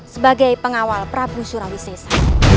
sebagai pengawal prabu surawisesa